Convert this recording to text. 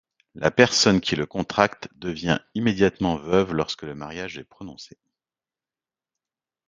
La personne qui le contracte devient immédiatement veuve lorsque le mariage est prononcé.